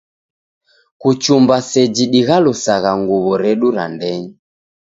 Kuchumba seji dighalusagha nguw'o redu ra ndenyi